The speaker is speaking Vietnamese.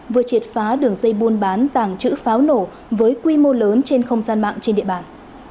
vừa triệt phá đường dây buôn bán tàng trữ pháo nổ với quy mô lớn trên không gian mạng trên địa bàn